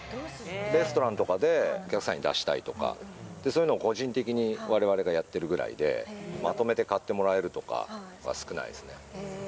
レストランとかでお客さんに出したいとか、そういうのを個人的にわれわれがやってるぐらいで、まとめて買ってもらえるとかは少ないですね。